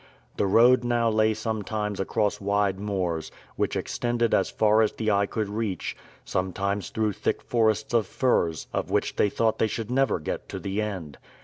The road now lay sometimes across wide moors, which extended as far as the eye could reach, sometimes through thick forests of firs, of which they thought they should never get to the end.